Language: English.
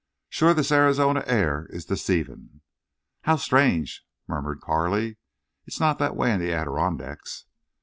"Shore this Arizonie air is deceivin'." "How strange," murmured Carley. "It's not that way in the Adirondacks."